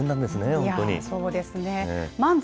いやぁ、そうですね。